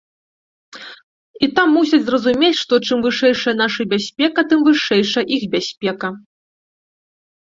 І там мусяць зразумець, што чым вышэйшая наша бяспека, тым вышэйшая іх бяспека.